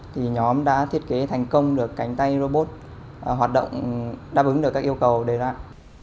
thì nhóm đã thiết kế thành công được cánh tay robot hoạt động đáp ứng được các yêu cầu đề ra